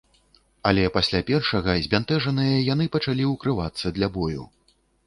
Але пасля першага збянтэжаныя яны пачалі ўкрывацца для бою.